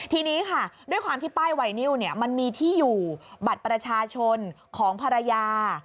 ทีนี้ค่ะด้วยความที่ป้ายไวนิวมันมีที่อยู่บัตรประชาชนของภรรยา